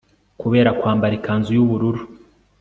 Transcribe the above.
kubera kwambara ikanzu y'ubururu